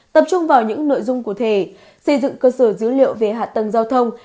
tập trung vào những nội dung cụ thể xây dựng cơ sở dữ liệu về hạ tầng giao thông